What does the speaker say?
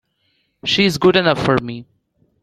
She's good enough for me!